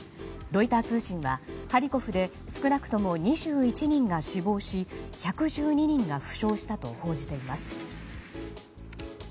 ロイター通信はハリコフで少なくとも２１人が死亡し、１１２人が負傷したと報じています。